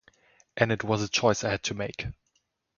And it was a choice I had to make.